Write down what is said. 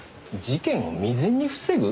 事件を未然に防ぐ？